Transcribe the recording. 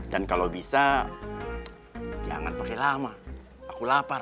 dan kalau bisa jangan pakai lama aku lapar